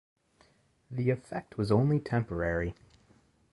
The effect was only temporary.